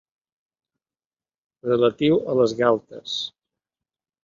Relatiu a les galtes.